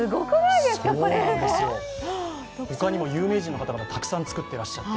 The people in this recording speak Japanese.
他にも有名人の方をたくさん作ってらっしゃって。